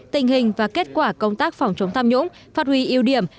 tình hình và kết quả công tác phòng chống tham nhũng phát huy ưu điểm